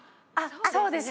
そうですね。